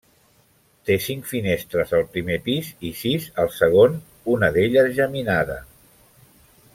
Té cinc finestres al primer pis i sis al segon una d'elles geminada.